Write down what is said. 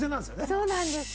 そうなんです。